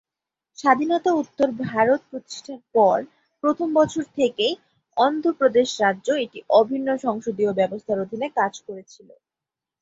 স্বাধীনতা-উত্তর ভারত প্রতিষ্ঠার পর প্রথম বছর থেকেই, অন্ধ্রপ্রদেশ রাজ্য একটি অভিন্ন সংসদীয় ব্যবস্থার অধীনে কাজ করেছিল।